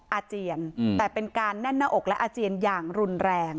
อาเจียนแต่เป็นการแน่นหน้าอกและอาเจียนอย่างรุนแรง